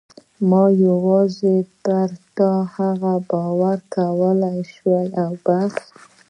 ما یوازې پر تا د هغه باور کولای شو او بس.